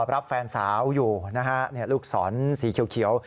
รับแฟนสาวอยู่ลูกสอนสีเขียว